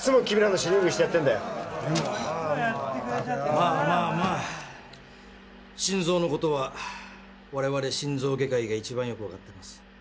・まあまあまあ心臓のことは我々心臓外科医が一番よく分かっています